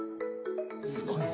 すごいな。